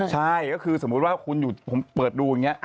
ใช่ก็คือสมมุติว่าคุณเปิดดูอย่างนี้